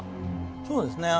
そうですね。